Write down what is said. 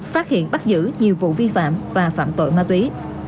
phát hiện bắt giữ nhiều vụ vi phạm và phạm tội ma túy